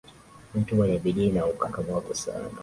Ni mtu mwenye bidii na ukakamavu sana